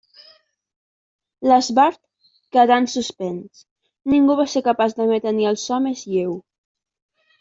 L'esbart quedà en suspens, ningú no va ser capaç d'emetre ni el so més lleu.